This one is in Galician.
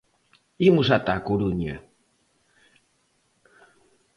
Imos ata Coruña.